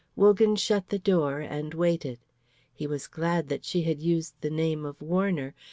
Wogan shut the door and waited. He was glad that she had used the name of Warner.